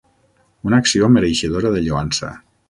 Una acció mereixedora de lloança.